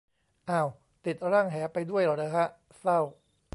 อ่าว ติดร่างแหไปด้วยเหรอฮะ เศร้า